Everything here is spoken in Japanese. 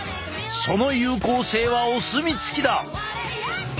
その有効性はお墨付きだ。